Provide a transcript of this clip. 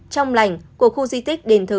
trong lành của khu di tích đền thờ